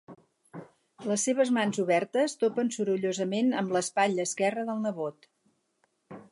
Les seves mans obertes topen sorollosament amb l'espatlla esquerra del nebot.